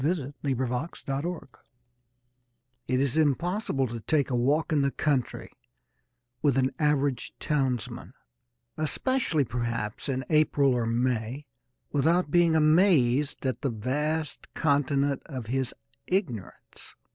L._ I THE PLEASURES OF IGNORANCE It is impossible to take a walk in the country with an average townsman especially, perhaps, in April or May without being amazed at the vast continent of his ignorance.